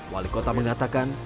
wali kota mengatakan